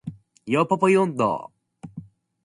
ヨポポイ音頭